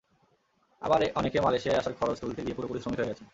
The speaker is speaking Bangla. আবার অনেকে মালয়েশিয়ায় আসার খরচ তুলতে গিয়ে পুরোপুরি শ্রমিক হয়ে গেছেন।